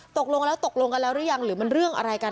ตกลงแล้วตกลงกันแล้วหรือยังหรือมันเรื่องอะไรกัน